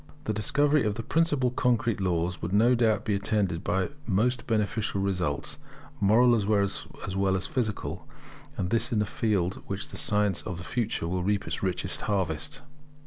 The discovery of the principal concrete laws would no doubt be attended by the most beneficial results, moral as well as physical; and this is the field in which the science of the future will reap its richest harvest.